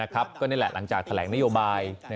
ก็นี่แหละหลังจากแถลงนโยบาย